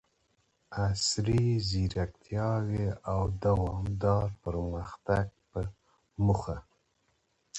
عصري زیربناوو او دوامداره پرمختګ په موخه،